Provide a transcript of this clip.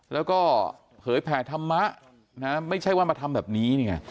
แล้วก็เผยแผ่ธรรมะนะไม่ใช่ว่ามาทำแบบนี้นี่ไง